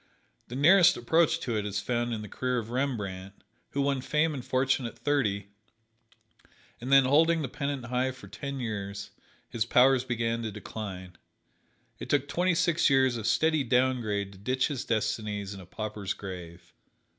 The nearest approach to it is found in the career of Rembrandt, who won fame and fortune at thirty, and then holding the pennant high for ten years, his powers began to decline. It took twenty six years of steady down grade to ditch his destinies in a pauper's grave.